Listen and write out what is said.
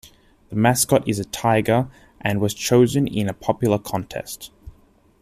The mascot is a tiger, and was chosen in a popular contest.